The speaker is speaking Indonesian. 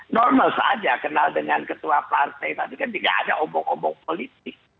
normal saja kenal dengan ketua partai tapi kan tidak ada obok obok politik